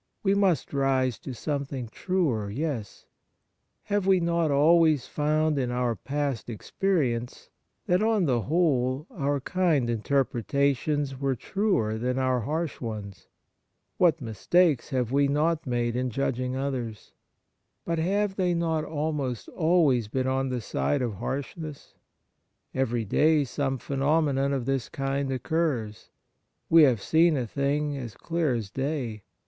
We must rise to something truer. Yes ! Have we not always found in our past experience that on the whole our kind interpretations were truer than our harsh ones ? What mistakes have we not made in judging others ! But have they not almost always been on the side of harsh ness ? Every day some phenomenon of this kind occurs. We have seen a thing as clear as day.